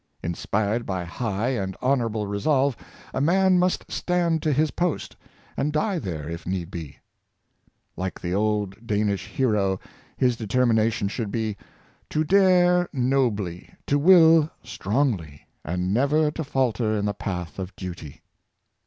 Inspired by high and honor able resolve, a man must stand to his post, and die there, if need be. Like the old Danish hero, his de termination should be, " to dare nobly, to will strongly, and never to falter in the path of duty."